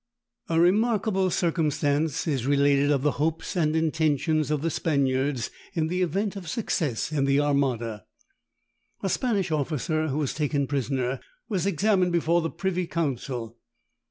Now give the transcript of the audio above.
A remarkable circumstance is related of the hopes and intentions of the Spaniards, in the event of success in the Armada. A Spanish officer, who was taken prisoner, was examined before the privy council.